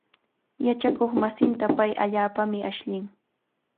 Yachakuqmasinta pay allaapami ashllin.